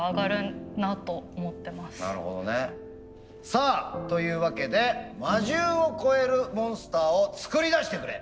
さあというわけで魔獣を超えるモンスターを作り出してくれ。